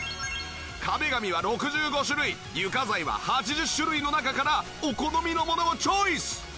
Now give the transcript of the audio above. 壁紙は６５種類床材は８０種類の中からお好みのものをチョイス！